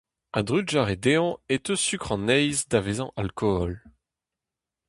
A-drugarez dezhañ e teu sukr an heiz da vezañ alkool.